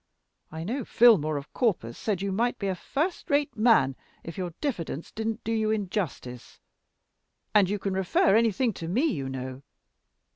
I know Filmore of Corpus said you might be a first rate man if your diffidence didn't do you injustice. And you can refer anything to me, you know.